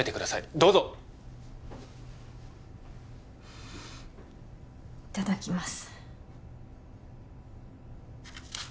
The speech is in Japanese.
どうぞいただきます